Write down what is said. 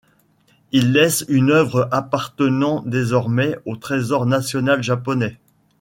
Il laisse une œuvre appartennant désormais au trésor national japonais.